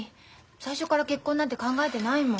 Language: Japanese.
最初から結婚なんて考えてないもん。